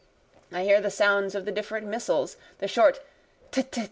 I hear the sounds of the different missiles, the short t h t!